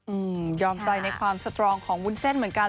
อืมยอมใจในความสตรองของวุ้นเส้นเหมือนกัน